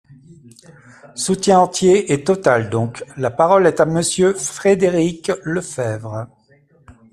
Soutien entier et total, donc ! La parole est à Monsieur Frédéric Lefebvre.